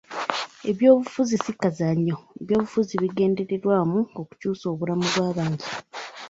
Ebyobufuzi si kazannyo, ebyobufuzi bigendereddwamu okukyusa obulamu bw'abantu.